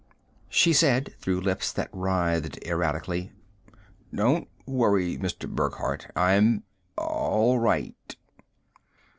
She said, through lips that writhed erratically, "Don't worry, Mr. Burckhardt. I'm all right."